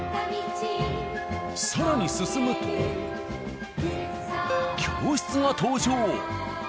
更に進むと教室が登場。